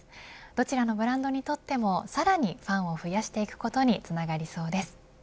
どちらのブランドにとってもさらにファンを増やしていくことにつながりそうです。